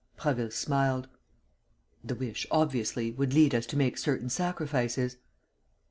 Prasville smiled: "The wish, obviously, would lead us to make certain sacrifices."